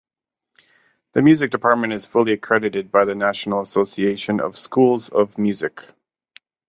The Music Department is fully accredited by the National Association of Schools of Music.